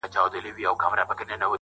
زما تر اوږو هم را ورسېده